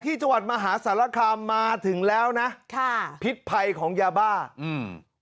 จังหวัดมหาสารคามมาถึงแล้วนะค่ะพิษภัยของยาบ้าอืม